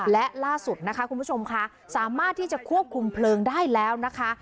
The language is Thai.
และล่าสุดนะคะคุณผู้ชมค่ะสามารถที่จะควบคุมเพลิงได้แล้วนะคะ